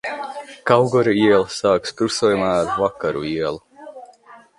Kauguru iela sākas krustojumā ar Vakara ielu.